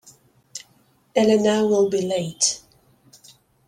Elena will be late.